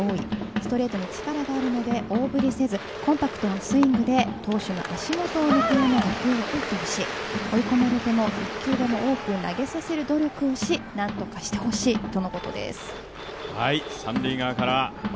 ストレートに力があるので、大振りせずコンパクトなスイングで投手の足下を見る打球を打ってほしい、追い込まれても一球でも多く投げさせる努力をし、何とかしてほしいとのことです。